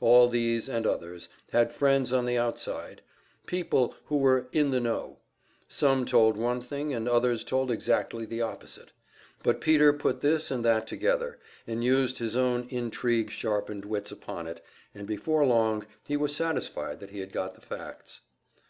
All these, and others, had friends on the outside, people who were "in the know." Some told one thing, and others told exactly the opposite; but Peter put this and that together, and used his own intrigue sharpened wits upon it, and before long he was satisfied that he had got the facts.